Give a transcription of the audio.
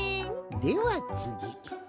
ではつぎ。